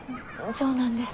そうなんです。